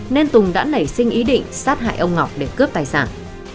nên tùng đã nảy sinh ý định sát hại ông ngọc để cướp tài sản